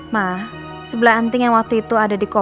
ma itulah anting ini términial sternyata vapor